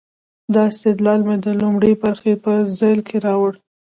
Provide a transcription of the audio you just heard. دا استدلال مې د لومړۍ برخې په ذیل کې راوړ.